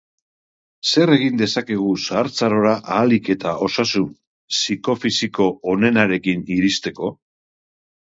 Zer egin dezakegu zahartzarora ahalik eta osasun psikofisiko onenarekin iristeko?